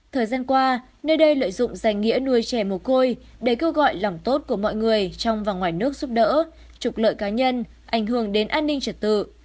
thời gian qua nơi đây lợi dụng danh nghĩa nuôi trẻ mồ côi để kêu gọi lòng tốt của mọi người trong và ngoài nước giúp đỡ trục lợi cá nhân ảnh hưởng đến an ninh trật tự